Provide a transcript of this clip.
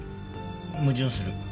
矛盾する。